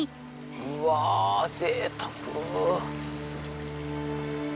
うわぁぜいたく。